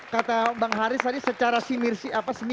kata bang haris tadi secara si mirsi apa sebenarnya